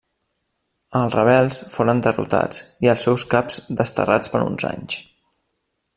Els rebels foren derrotats i els seus caps desterrats per uns anys.